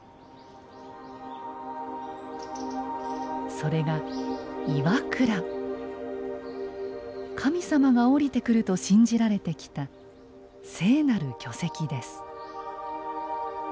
それが磐座神様が降りてくると信じられてきた聖なる巨石です。